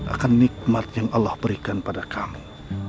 akan nikmat yang allah berikan pada kami